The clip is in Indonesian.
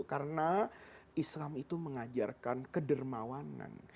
karena islam itu mengajarkan kedermawanan